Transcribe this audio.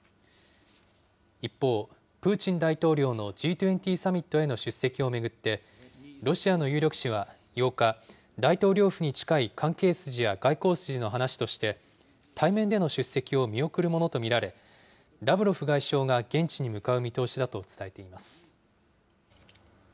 一方、プーチン大統領のＧ２０サミットへの出席を巡って、ロシアの有力紙は８日、大統領府に近い関係筋や外交筋の話として、対面での出席を見送るものと見られ、ラブロフ外相が現地に向かう見通しだと伝えています。